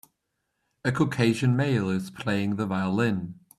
A Caucasian male is playing the violin.